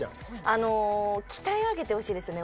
あの鍛え上げてほしいですよね